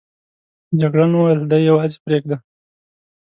جګړن وویل دی یوازې پرېږده.